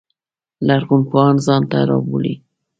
لرغون پوهان ځان ته رابولي.